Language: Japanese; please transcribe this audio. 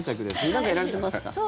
何かやられてますか？